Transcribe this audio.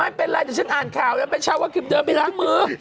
ไม่เป็นไรแต่ฉันอ่านข่าวนะเป็นชาวเวิร์ดครีมเดินไปล้างมือ